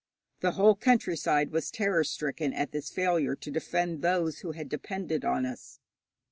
The whole countryside was terror stricken at this failure to defend those who had depended on us.